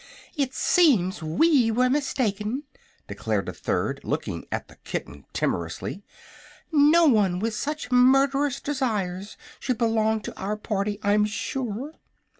"It seems we were mistaken," declared a third, looking at the kitten timorously, "no one with such murderous desires should belong to our party, I'm sure."